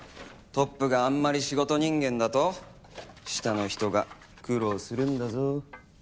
トップがあんまり仕事人間だと下の人が苦労するんだぞ。